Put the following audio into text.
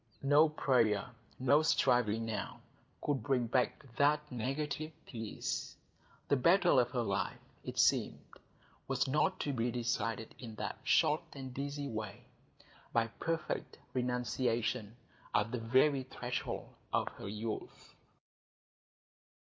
No prayer, no striving now, would bring back that negative peace; the battle of her life, it seemed, was not to be decided in that short and easy way,—by perfect renunciation at the very threshold of her youth.